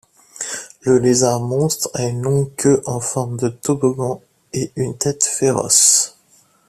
Le lézard-monstre a une longue queue en forme de toboggan et une tête féroce.